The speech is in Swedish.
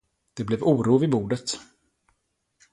Det blev oro vid bordet.